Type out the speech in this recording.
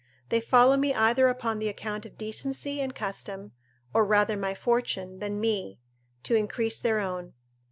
They follow me either upon the account of decency and custom; or rather my fortune, than me, to increase their own.